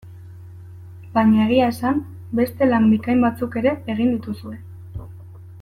Baina egia esan, beste lan bikain batzuk ere egin dituzue.